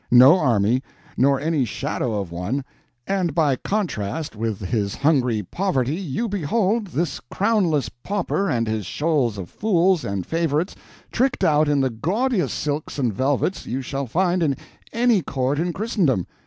no army, nor any shadow of one; and by contrast with his hungry poverty you behold this crownless pauper and his shoals of fools and favorites tricked out in the gaudiest silks and velvets you shall find in any Court in Christendom.